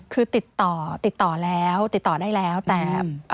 คือติดต่อติดต่อได้แล้วแต่